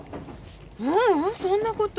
ううんそんなこと。